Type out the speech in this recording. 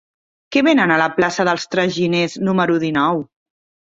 Què venen a la plaça dels Traginers número dinou?